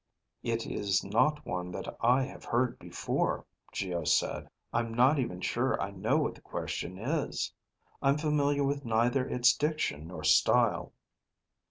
_" "It is not one that I have heard before," Geo said. "I'm not even sure I know what the question is. I'm familiar with neither its diction nor style."